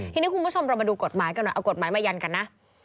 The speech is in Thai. ทีนี้คุณผู้ชมเรามาดูกฎหมายกันหน่อยเอากฎหมายมายันกันนะ